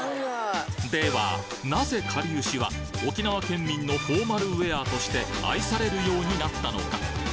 ではなぜかりゆしは沖縄県民のフォーマルウエアとして愛されるようになったのか？